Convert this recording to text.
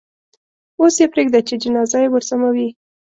اوس یې پرېږده چې جنازه یې ورسموي.